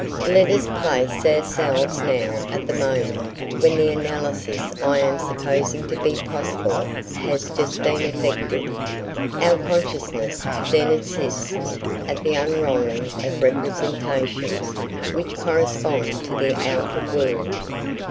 Let us place ourselves now at the moment when the analysis I am supposing to be possible has just been effected. Our consciousness then assists at the unrolling of representations which correspond to the outer world.